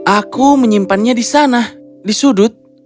aku menyimpannya di sana di sudut